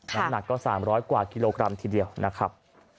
น้ำหนักก็๓๐๐กว่ากิโลกรัมทีเดียวนะครับ